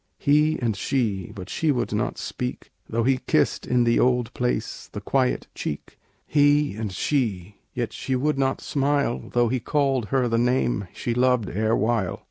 He and she; but she would not speak, Though he kissed, in the old place, the quiet cheek. He and she; yet she would not smile, Though he called her the name she loved erewhile.